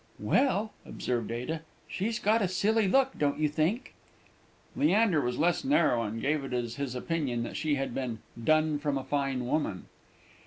"Well," observed Ada, "she's got a silly look, don't you think?" Leander was less narrow, and gave it as his opinion that she had been "done from a fine woman."